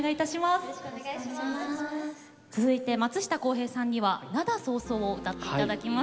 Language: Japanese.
続いて松下洸平さんには「涙そうそう」を歌っていただきます。